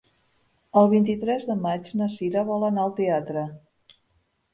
El vint-i-tres de maig na Cira vol anar al teatre.